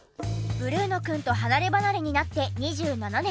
ブルーノくんと離ればなれになって２７年。